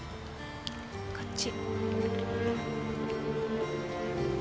こっち。